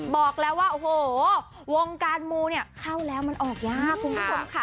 บอกแล้ววงการมูเข้าแล้วมันออกยาก